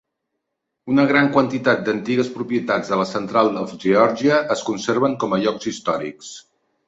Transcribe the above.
Una gran quantitat d'antigues propietats de la Central of Georgia es conserven com a llocs històrics